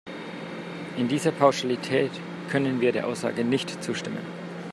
In dieser Pauschalität können wir der Aussage nicht zustimmen.